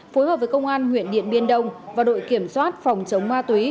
phối hợp với công an huyện điện biên đông và đội kiểm soát phòng chống ma túy